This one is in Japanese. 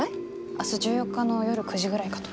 明日１４日の夜９時ぐらいかと。